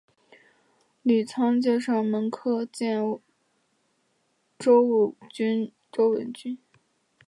吕仓介绍门客见周文君。